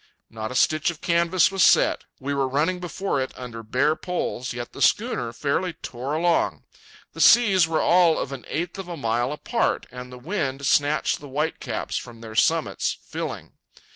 Not a stitch of canvas was set. We were running before it under bare poles, yet the schooner fairly tore along. The seas were all of an eighth of a mile apart, and the wind snatched the whitecaps from their summits, filling.